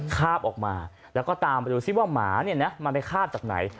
คาบออกมาแล้วก็ตามไปดูซิว่าหมาเนี่ยนะมันไปคาบจากไหน